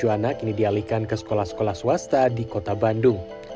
satu ratus empat puluh tujuh anak ini dialihkan ke sekolah sekolah swasta di kota bandung